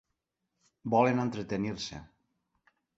Volen entretenir-se.